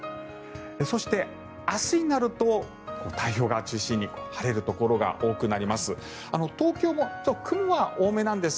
そして、明日になると太平洋側を中心に晴れるところが多くなります。